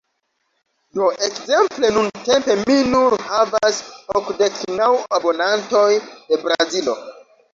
Do ekzemple nuntempe mi nur havas okdek naŭ abonantoj de Brazilo.